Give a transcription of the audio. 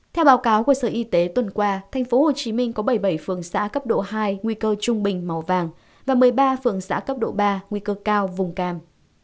theo báo cáo của sở y tế tuần qua tp hcm có bảy mươi bảy phường xã cấp độ hai nguy cơ trung bình màu vàng và một mươi ba phường xã cấp độ ba nguy cơ cao vùng cam